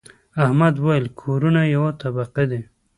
احمد وويل: کورونه یوه طبقه دي.